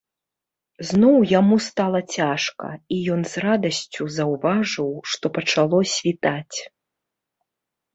Зноў яму стала цяжка, і ён з радасцю заўважыў, што пачало світаць.